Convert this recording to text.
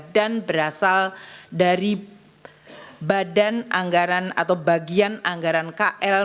dan berasal dari badan anggaran atau bagian anggaran kl